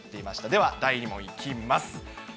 では第２問いきます。